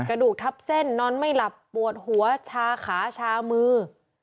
กระดูกทับเส้นนอนไม่หลับปวดหัวชาขาชามือ